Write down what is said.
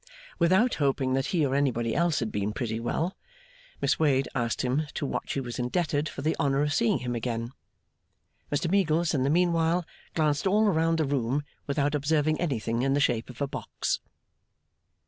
Without hoping that he or anybody else had been pretty well, Miss Wade asked him to what she was indebted for the honour of seeing him again? Mr Meagles, in the meanwhile, glanced all round the room without observing anything in the shape of a box.